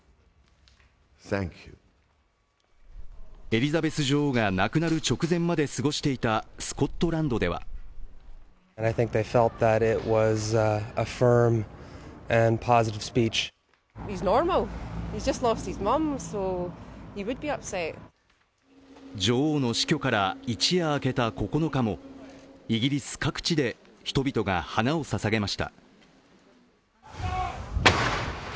エリザベス女王が亡くなる直前まで過ごしていたスコットランドでは女王の死去から一夜明けた９日もイギリス各地で、人々が花をささげました。